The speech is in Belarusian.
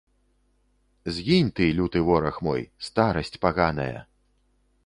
Згінь ты, люты вораг мой, старасць паганая!